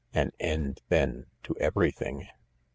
" An end, then, to everything